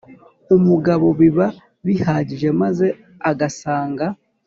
umugabo biba bihagije maze agasanga